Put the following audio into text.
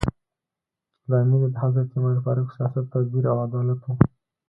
لامل یې د حضرت عمر فاروق سیاست، تدبیر او عدالت و.